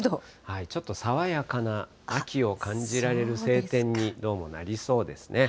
ちょっと爽やかな秋を感じられる晴天に、どうもなりそうですね。